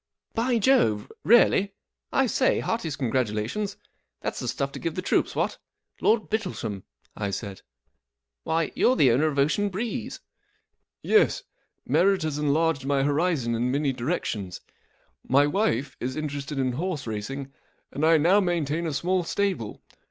41 By Jove I Really ? I say, heartiest congratulations* That's the stuff to give the troops, what ? Lord Bittlesham ?" I said, " Why, you're the owner of Ocean Breeze/ T " Yes. Marriage has enlarged my .horizon in many directions* My wife is interested in horse racing; and I now maintain a small stable.